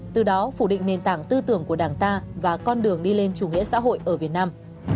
từ đó phủ định nền tảng tư tưởng của đảng ta và con đường đi lên chủ nghĩa xã hội ở việt nam